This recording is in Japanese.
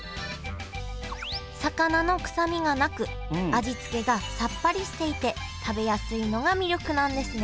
魚の臭みがなく味付けがさっぱりしていて食べやすいのが魅力なんですね